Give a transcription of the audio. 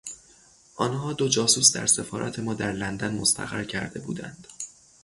آنها دو جاسوس در سفارت ما در لندن مستقر کرده بودند.